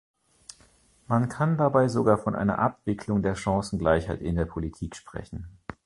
Man kann dabei sogar von einer Abwicklung der Chancengleichheit in der Politik sprechen.